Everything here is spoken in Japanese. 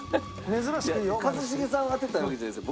一茂さんを当てたいわけじゃないですよ。